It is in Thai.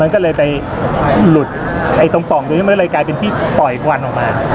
มันก็เลยไปหลุดตรงปล่องตรงนี้มันก็เลยกลายเป็นที่ปล่อยควันออกมา